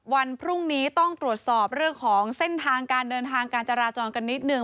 วันพรุ่งนี้ต้องตรวจสอบเรื่องของเส้นทางการเดินทางการจราจรกันนิดหนึ่ง